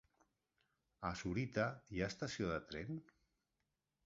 A Sorita hi ha estació de tren?